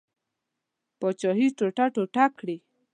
پاچهي ټوټه ټوټه کړي.